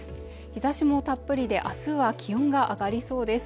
日差しもたっぷりで明日は気温が上がりそうです